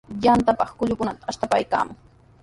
Yantapaq kullukunata ashtaykaayaamun.